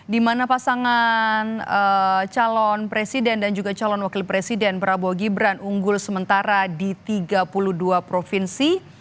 di mana pasangan calon presiden dan juga calon wakil presiden prabowo gibran unggul sementara di tiga puluh dua provinsi